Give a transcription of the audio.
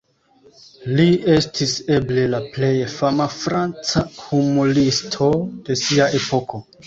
Li estis eble le plej fama franca humuristo de sia epoko.